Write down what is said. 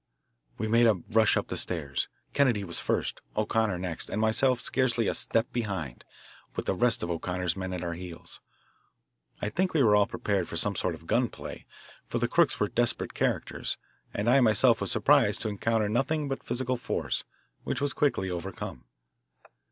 We made a rush up the stairs. Kennedy was first, O'Connor next, and myself scarcely a step behind, with the rest of O'Connor's men at our heels. I think we were all prepared for some sort of gun play, for the crooks were desperate characters, and I myself was surprised to encounter nothing but physical force, which was quickly, overcome.